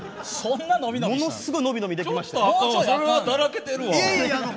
ものすごい伸び伸びできました。